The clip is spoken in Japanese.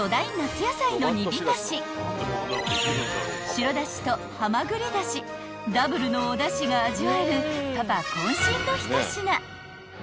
［白だしとはまぐりだしダブルのおだしが味わえるパパ渾身の一品］